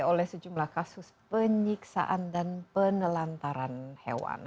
oleh sejumlah kasus penyiksaan dan penelantaran hewan